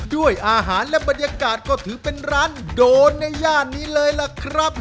ด้วยอาหารและบรรยากาศก็ถือเป็นร้านโดนในย่านนี้เลยล่ะครับ